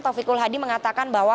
taufik kulhadi mengatakan bahwa